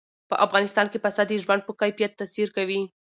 په افغانستان کې پسه د ژوند په کیفیت تاثیر کوي.